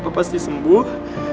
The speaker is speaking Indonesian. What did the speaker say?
bapak pasti sembuh